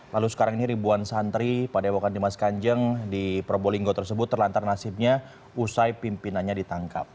lalu sekarang ini ribuan santri pada ewokan dimas kanjeng di probolinggo tersebut terlantar nasibnya usai pimpinannya ditangkap